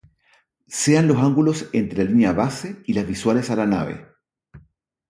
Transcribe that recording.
Sean los ángulos entre la línea base y las visuales a la nave.